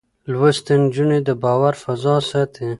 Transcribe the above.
لوستې نجونې د باور فضا ساتي.